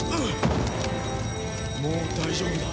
もう大丈夫だ。